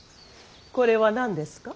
これは何ですか。